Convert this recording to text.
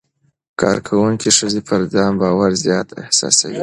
کارکوونکې ښځې پر ځان باور زیات احساسوي.